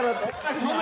そんな！